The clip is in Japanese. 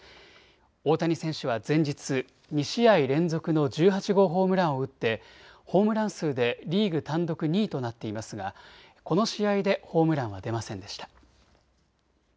大谷選手は前日、２試合連続の１８号ホームランを打ってホームラン数でリーグ単独２位となっていますが、この試合でホームランは出ませんでした。